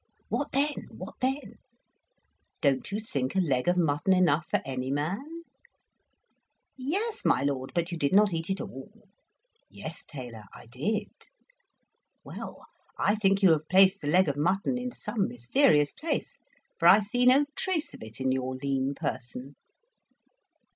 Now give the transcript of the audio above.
"What then what then?" "Don't you think a leg of mutton enough for any man?" "Yes, my lord, but you did not eat it all." "Yes, Taylor, I did." "Well, I think you have placed the leg of mutton in some mysterious place, for I see no trace of it in your lean person."